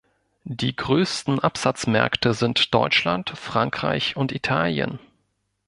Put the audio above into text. Die größten Absatzmärkte sind Deutschland, Frankreich und Italien.